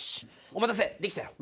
お待たせできたよ。